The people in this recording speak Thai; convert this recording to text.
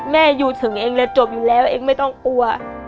แม่อยู่ถึงจบแล้วไม่ต้องกลัว